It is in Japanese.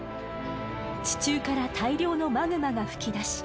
地中から大量のマグマが噴き出し